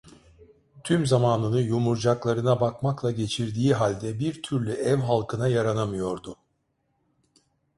Tüm zamanını yumurcaklarına bakmakla geçirdiği halde, bir türlü ev halkına yaranamıyordu.